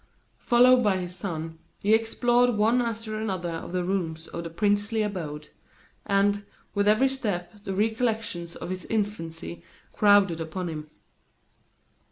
Followed by his son, he explored one after another of the rooms of the princely abode; and, with every step, the recollections of his infancy crowded upon him.